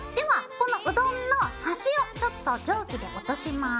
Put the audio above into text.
このうどんのはしをちょっと定規で落とします。